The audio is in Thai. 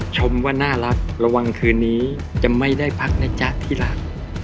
ชมว่าน่ารักระวังคืนนี้จะไม่ได้พักนะจ๊ะที่รัก